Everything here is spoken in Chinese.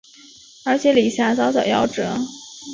而且李遐早早夭折。